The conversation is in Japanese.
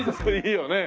いいよね？